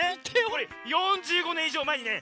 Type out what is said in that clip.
これ４５ねんいじょうまえにね